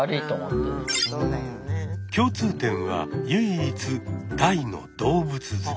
共通点は唯一「大の動物好き」。